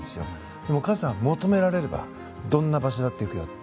でもカズさんは求められればどんな場所だって行くと。